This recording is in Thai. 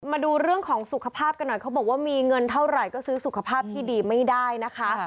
มาดูเรื่องของสุขภาพกันหน่อยเขาบอกว่ามีเงินเท่าไหร่ก็ซื้อสุขภาพที่ดีไม่ได้นะคะ